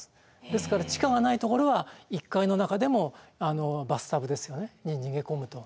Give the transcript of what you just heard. ですから地下がないところは１階の中でもバスタブですよねに逃げ込むと。